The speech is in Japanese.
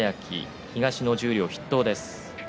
東の十両筆頭です。